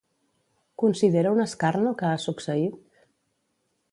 Considera un escarn el que ha succeït?